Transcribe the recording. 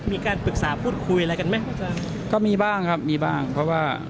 มีการปรึกษาพูดคุยอะไรกันไหมอาจารย์ก็มีบ้างครับมีบ้างเพราะว่า